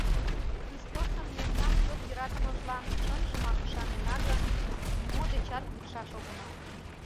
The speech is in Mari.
Христосын мемнам чот йӧратымыжлан чынжымак ӱшанена гын, нимо дечат лӱдшаш огынал».